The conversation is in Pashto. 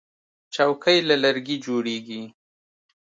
چوکۍ له لرګي جوړیږي.